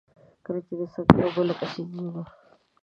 کله چي د سطحي اوبو لکه سیندونه.